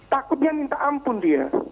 takutnya minta ampun dia